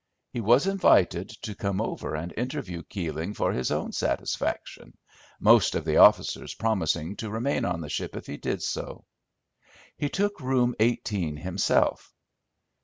He was invited to come over and interview Keeling for his own satisfaction, most of the officers promising to remain on the ship if he did so. He took Room 18 himself.